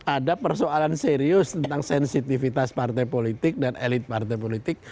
ada persoalan serius tentang sensitivitas partai politik dan elit partai politik